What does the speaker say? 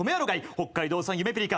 北海道産ゆめぴりか